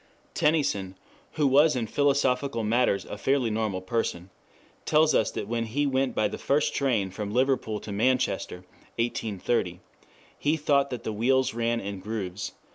Tennyson, who was in philosophical matters a fairly normal person, tells us that when he went by the first train from Liverpool to Manchester (1830) he thought that the wheels ran in grooves.